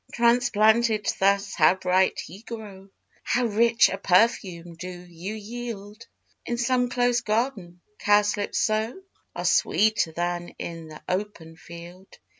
Transplanted thus how bright ye grow, How rich a perfume do ye yield? In some close garden, cowslips so Are sweeter than in th' open field.